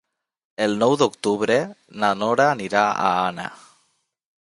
El nou d'octubre na Nora anirà a Anna.